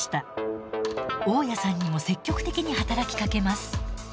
大家さんにも積極的に働きかけます。